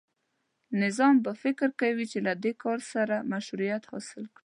نظام به فکر کوي چې له دې کار سره مشروعیت حاصل کړي.